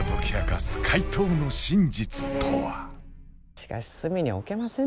しかし隅に置けませんね